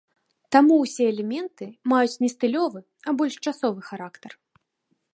Таму ўсе элементы маюць не стылёвы, а больш часовы характар.